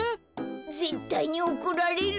ぜったいにおこられる。